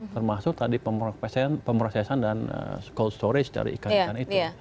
termasuk tadi pemrosesan dan cold storage dari ikan ikan itu